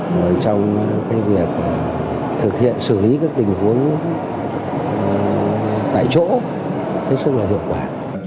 và trong việc thực hiện xử lý các tình huống tại chỗ rất là hiệu quả